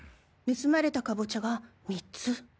盗まれたカボチャが３つ。